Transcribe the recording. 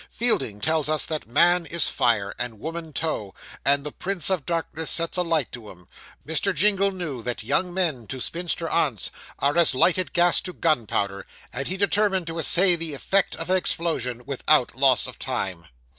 Fielding tells us that man is fire, and woman tow, and the Prince of Darkness sets a light to 'em. Mr. Jingle knew that young men, to spinster aunts, are as lighted gas to gunpowder, and he determined to essay the effect of an explosion without loss of time.